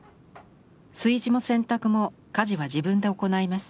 炊事も洗濯も家事は自分で行います。